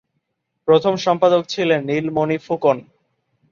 প্রথম সম্পাদক ছিলেন নীলমণি ফুকন।